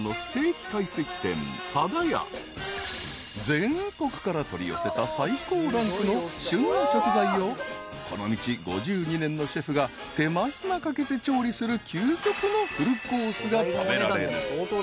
［全国から取り寄せた最高ランクの旬の食材をこの道５２年のシェフが手間暇かけて調理する究極のフルコースが食べられる］